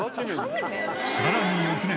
［さらに翌年。